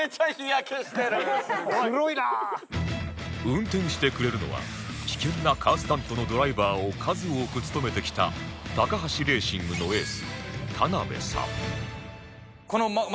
運転してくれるのは危険なカースタントのドライバーを数多く務めてきたタカハシレーシングのエース田邊さん